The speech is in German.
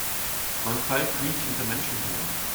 Man pfeift nicht hinter Menschen her.